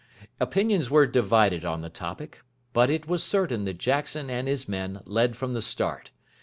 Opinions were divided on the topic. But it was certain that Jackson and his men led from the start.